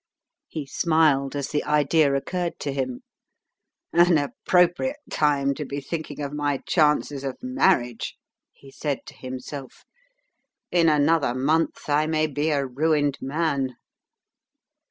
He smiled as the idea occurred to him. "An appropriate time to be thinking of my chances of marriage!" he said to himself. "In another month I may be a ruined man."